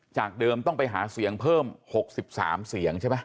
จากเดิมต้องไปหาเสียงเพิ่ม๖๓เสียงใช่ไหม